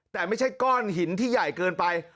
แต่ไม่ใช่ก้อนหินที่ใหญ่เกินไป